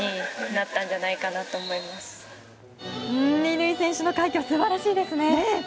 乾選手の快挙素晴らしいですね。